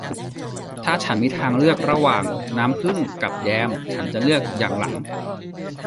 ถ้าฉันมีทางเลือกระหว่างน้ำผึ้งกับแยมฉันจะเลือกอย่างหลัง